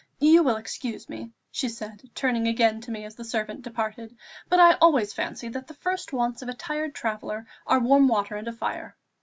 You will excuse me," she said, turning again to me as the servant departed, "but I always fancy that the first wants of a tired traveller are warm water and a fire.